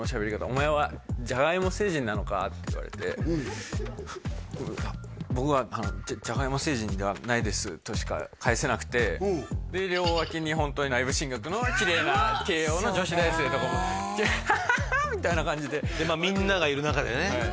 「お前はじゃがいも星人なのか？」って言われて「僕はじゃがいも星人ではないです」としか返せなくて両脇にホントに内部進学のきれいな慶應の女子大生とかが「ハハハッ」みたいな感じでみんながいる中でね